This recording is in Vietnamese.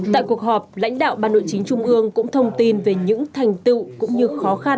tại cuộc họp lãnh đạo ban nội chính trung ương cũng thông tin về những thành tựu cũng như khó khăn